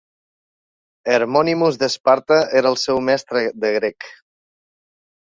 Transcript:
Hermonymus d'Esparta era el seu mestre de grec.